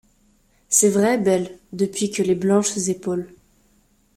C'est vrai, belle, depuis que, les blanches épaules